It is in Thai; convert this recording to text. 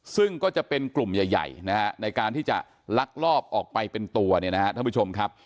ซึ่งก็จะเป็นกลุ่มใหญ่นะฮะในการที่จะลักลอบออกไปเป็นตัวเนี่ยนะครับท่านผู้ชมครับ